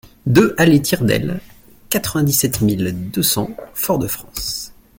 deux allée Tire d'Aile, quatre-vingt-dix-sept mille deux cents Fort-de-France